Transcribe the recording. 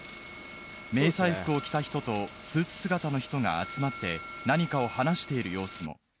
迷彩服を着た人とスーツ姿の人が集まって、何かを話している様子も。